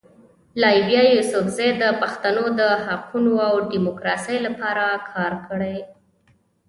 لایبا یوسفزۍ د پښتنو د حقونو او ډیموکراسۍ لپاره کار کړی.